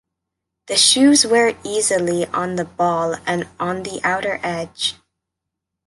The shoes wear easily on the ball and on the outer edge.